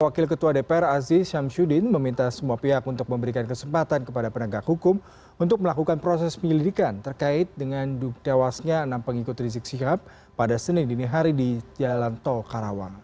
wakil ketua dpr aziz syamsuddin meminta semua pihak untuk memberikan kesempatan kepada penegak hukum untuk melakukan proses penyelidikan terkait dengan tewasnya enam pengikut rizik sihab pada senin dini hari di jalan tol karawang